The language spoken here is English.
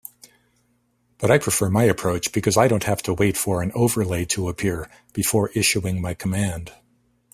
But I prefer my approach because I don't have to wait for an overlay to appear before issuing my command.